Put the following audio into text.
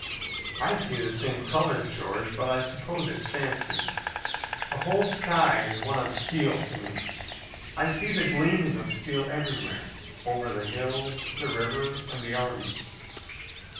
"I see the same colors, George, but I suppose it's fancy. The whole sky is one of steel to me. I see the gleaming of steel everywhere, over the hills, the river and the armies."